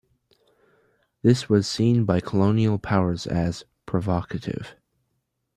This was seen by colonial powers as "provocative".